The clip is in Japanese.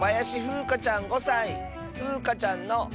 ふうかちゃんの。